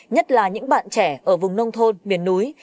nhất là những bạn trẻ ở vùng nông thôn miền núi